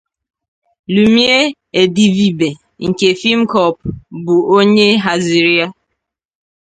Lummie Edevibe nke Filmcorp bụ onye haziri ya